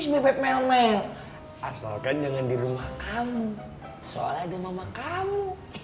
mepet mel mel asalkan jangan di rumah kamu soalnya ada mama kamu